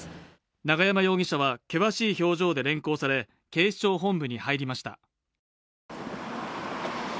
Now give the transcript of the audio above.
永山容疑者は険しい表情で連行され、警視庁本部に入りました。